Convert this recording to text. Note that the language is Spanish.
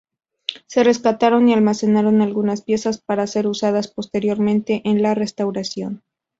Se rescataron y almacenaron algunas piezas para ser usadas posteriormente en la restauración.